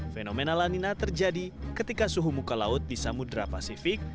fenomena lanina terjadi ketika suhu muka laut di samudera pasifik